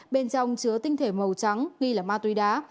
bên trong chứa tinh thể màu trắng nghi là ma túy đá